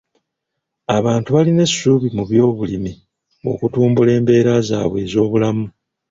Abantu baalina essuubi mu byobulimi okutumbula embeera zaabwe ez'obulamu.